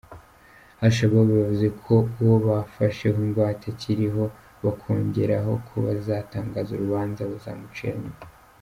Al Shabaab yavuze ko uwo bafasheho ingwate akiriho, bakongeraho ko bazatangaza urubanza bazamucira nyuma.